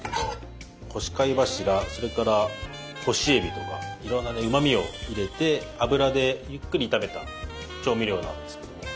それから干しえびとかいろんなねうまみを入れて油でゆっくり炒めた調味料なんですけれども。